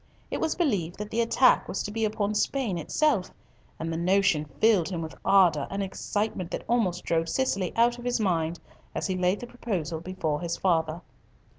It was believed that the attack was to be upon Spain itself, and the notion filled him with ardour and excitement that almost drove Cicely out of his mind, as he laid the proposal before his father.